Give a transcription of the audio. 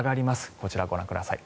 こちらをご覧ください。